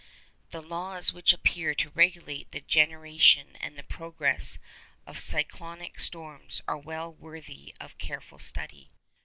The laws which appear to regulate the generation and the progress of cyclonic storms are well worthy of careful study.